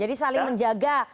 jadi saling menjaga